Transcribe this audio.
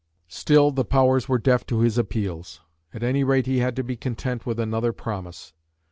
Still the powers were deaf to his appeals; at any rate he had to be content with another promise.